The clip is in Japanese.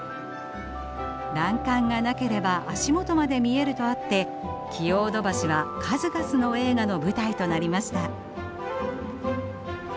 欄干がなければ足元まで見えるとあってキオード橋は数々の映画の舞台となりました。